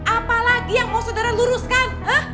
apa lagi yang mau saudara luruskan